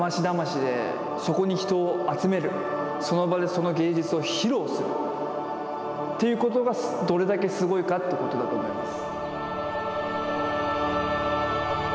そこに人を集めるその場でその芸術を披露するっていうことがどれだけすごいかってことだと思います。